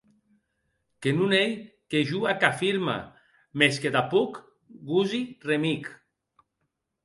Que non ei que jo ac afirma; mès que tanpòc gosi remí’c.